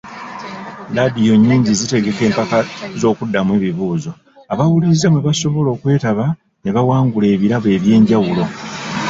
Laadiyo nnyingi zitegeka empaka z'okuddamu ebibuuzo, abawuliriza mwe basobola okwetaba ne bawangula ebirabo eby'enjawulo.